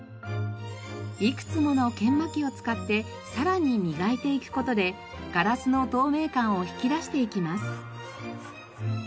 いくつもの研磨機を使ってさらに磨いていく事でガラスの透明感を引き出していきます。